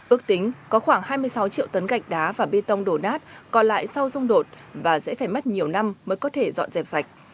ước tính có khoảng hai mươi sáu triệu tấn gạch đá và bê tông đổ nát còn lại sau xung đột và sẽ phải mất nhiều năm mới có thể dọn dẹp sạch